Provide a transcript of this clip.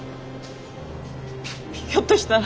ひょっとしたら。